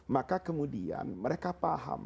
maka kemudian mereka paham